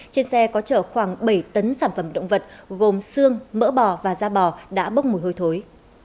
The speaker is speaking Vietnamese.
trên xe có chở khoảng bảy tấn sản phẩm động vật gồm xương mỡ bò và da bò đã bốc mùi hôi thối